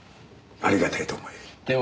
ありがたいと思え。